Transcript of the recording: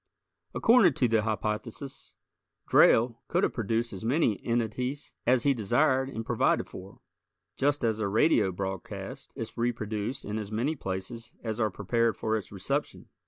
According to the hypothesis, Drayle could have produced as many entities as he desired and provided for, just as a radio broadcast is reproduced in as many places as are prepared for its reception.